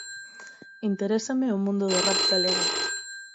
Interésame o mundo do rap galego.